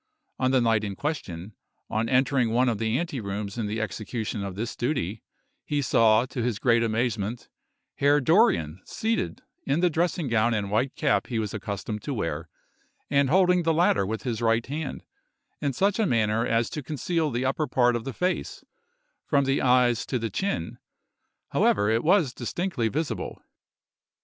On the night in question, on entering one of the ante rooms in the execution of this duty, he saw, to his great amazement, Herr Dorrien, seated, in the dressing gown and white cap he was accustomed to wear, and holding the latter with his right hand, in such a manner as to conceal the upper part of the face; from the eyes to the chin, however, it was distinctly visible.